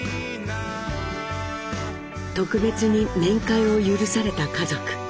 特別に面会を許された家族。